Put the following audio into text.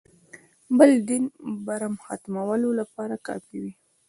بل دین برم ختمولو لپاره کافي وي.